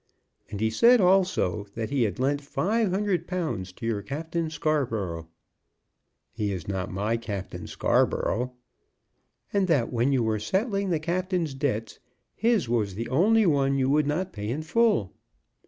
And he said, also, that he had lent five hundred pounds to your Captain Scarborough." "He is not my Captain Scarborough." "And that when you were settling the captain's debts his was the only one you would not pay in full."